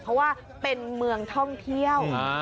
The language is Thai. เพราะว่าเป็นเมืองท่องเที่ยว